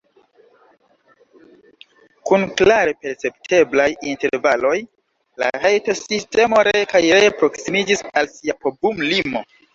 Kun klare percepteblaj intervaloj, la hejtosistemo ree kaj ree proksimiĝis al sia povum-limo.